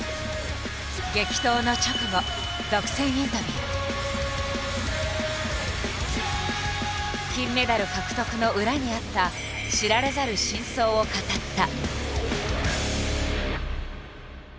激闘の直後金メダル獲得の裏にあった知られざる真相を語った。